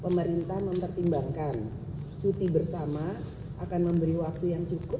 pemerintah mempertimbangkan cuti bersama akan memberi waktu yang cukup